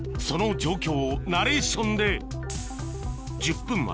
その状況をナレーションで１０分